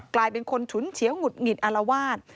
กลายเป็นคนฉุนเฉียวหงุดหงิดอารวาส